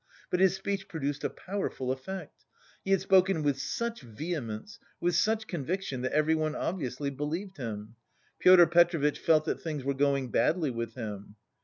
But his speech produced a powerful effect. He had spoken with such vehemence, with such conviction that everyone obviously believed him. Pyotr Petrovitch felt that things were going badly with him.